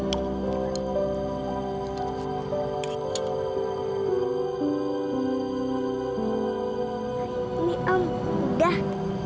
ini om udah